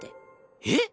えっ！？